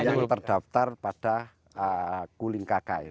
yang terdaftar pada kuling kk